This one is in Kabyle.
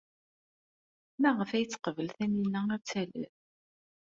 Maɣef ay teqbel Taninna ad talel?